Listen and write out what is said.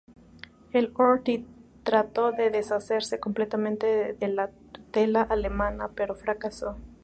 El Horthy trató de deshacerse completamente de la tutela alemana, pero fracasó.